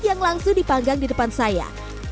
inilah weighing time harganya